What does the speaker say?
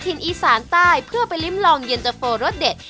ถิ่นอีสานใต้เพื่อไปริมลองเย็นเจอโฟร์รสเด็ด